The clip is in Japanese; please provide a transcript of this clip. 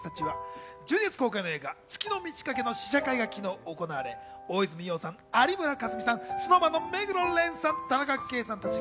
１２月公開の映画『月の満ち欠け』の試写会が昨日行われ、大泉洋さん、有村架純さん、ＳｎｏｗＭａｎの目黒蓮さん、田中圭さんたち